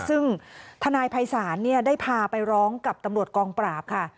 ซึ่งทนายภัยศาลได้พาไปร้องกับตำรวจกองปราบค่ะ